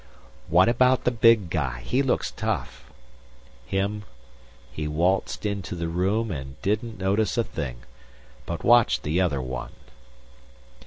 "What about the big guy? He looks tough." "Him? He waltzed into the room and didn't notice a thing. But watch the other one."